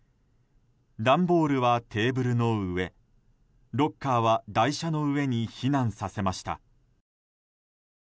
段ボールはテーブルの上ロッカーは台車の上に避難させました。